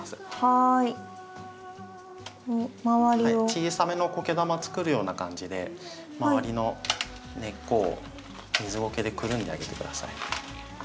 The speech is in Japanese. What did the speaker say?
小さめのこけ玉作るような感じで周りの根っこを水ごけでくるんであげて下さい。